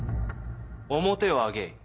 面を上げえ。